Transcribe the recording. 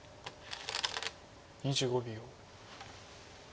２５秒。